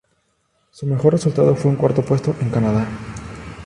Su mejor resultado fue un cuarto puesto en Canadá.